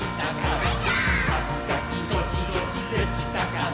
「はみがきゴシゴシできたかな？」